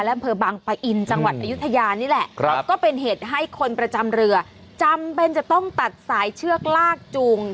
อำเภอบางปะอินจังหวัดอายุทยานี่แหละก็เป็นเหตุให้คนประจำเรือจำเป็นจะต้องตัดสายเชือกลากจูง